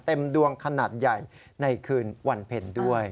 ดวงขนาดใหญ่ในคืนวันเพ็ญด้วย